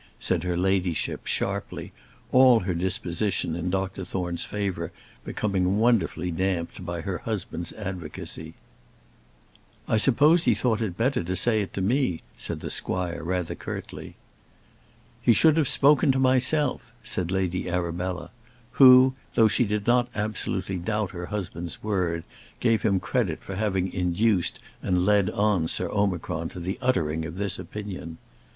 said her ladyship, sharply, all her disposition in Dr Thorne's favour becoming wonderfully damped by her husband's advocacy. "I suppose he thought it better to say it to me," said the squire, rather curtly. "He should have spoken to myself," said Lady Arabella, who, though she did not absolutely doubt her husband's word, gave him credit for having induced and led on Sir Omicron to the uttering of this opinion.